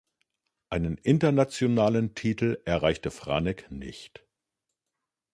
Einen internationalen Titel erreichte Franek nicht.